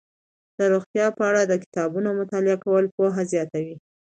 د روغتیا په اړه د کتابونو مطالعه کول پوهه زیاتوي.